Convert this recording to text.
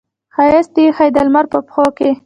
ښایست یې ایښې د لمر په پښو کې